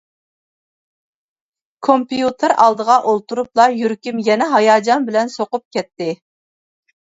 كومپيۇتېر ئالدىغا ئولتۇرۇپلا يۈرىكىم يەنە ھاياجان بىلەن سوقۇپ كەتتى.